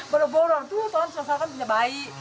baru baru tuh soalnya soalnya kan punya bayi